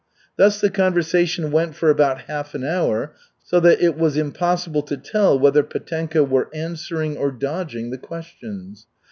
Thus the conversation went for about half an hour, so that it was impossible to tell whether Petenka were answering or dodging the questions.